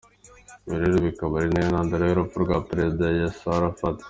Ibi rero bikaba ariyo ntandaro y’urupfu rwa Perezida Yasser Arafat.